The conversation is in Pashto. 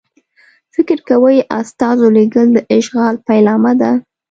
فکر کوي استازو لېږل د اشغال پیلامه ده.